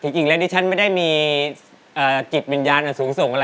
เยอะเลยฮะ